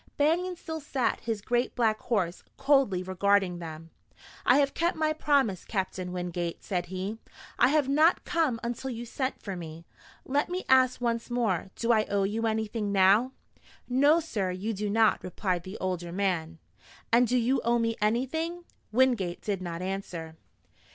Banion still sat his great black horse, coldly regarding them. "I have kept my promise, Captain Wingate," said he. "I have not come until you sent for me. Let me ask once more, do I owe you anything now?" "No, sir, you do not," replied the older man. "And do you owe me anything?" Wingate did not answer.